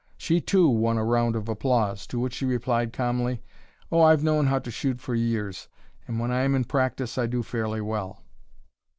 She, too, won a round of applause, to which she replied calmly, "Oh, I've known how to shoot for years, and when I am in practice I do fairly well."